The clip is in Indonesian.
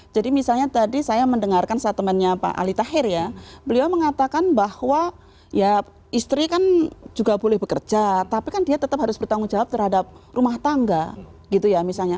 jadi misalnya tadi saya mendengarkan saat temannya pak alita her ya beliau mengatakan bahwa ya istri kan juga boleh bekerja tapi kan dia tetap harus bertanggung jawab terhadap rumah tangga gitu ya misalnya